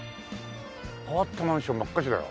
変わったマンションばっかしだよ。